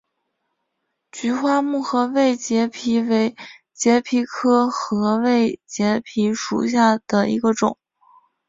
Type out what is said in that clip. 菊花木合位节蜱为节蜱科合位节蜱属下的一个种。